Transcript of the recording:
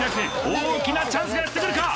大きなチャンスがやってくるか？